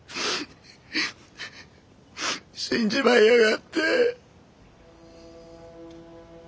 死んじまいやがって。